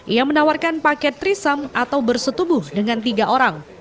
ia menawarkan paket trisam atau bersetubuh dengan tiga orang